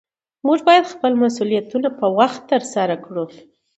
موږ باید خپل مسؤلیتونه په وخت ترسره کړو